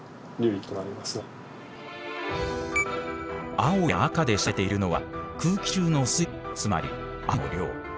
青や赤で示されているのは空気中の水分つまり雨の量。